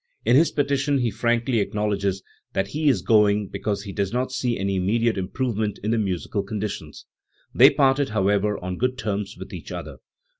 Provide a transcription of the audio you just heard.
In his petition he frankly acknowledges that he is going because he does not see any immediate improve ment in the musical conditions*. They parted, however, on good terms with each other.